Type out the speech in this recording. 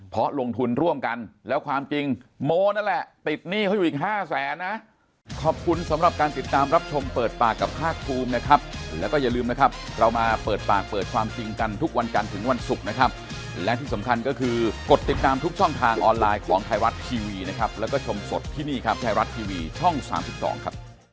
เพราะลงทุนร่วมกันแล้วความจริงโมนั่นแหละติดหนี้เขาอยู่อีก๕แสนนะ